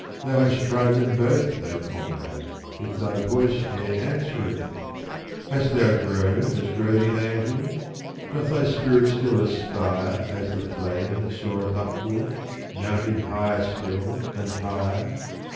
Thou hast tried them both, O comrade, yet thy voice ne'er answereth ! Hast thou grown as grow the angels ? Doth thy spirit still aspire As the flame that soareth upward, mounting higher still, and higher